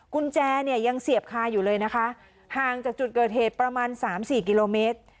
กุญแจเนี่ยยังเสียบคาอยู่เลยนะคะห่างจากจุดเกิดเหตุประมาณสามสี่กิโลเมตร